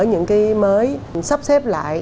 những cái mới sắp xếp lại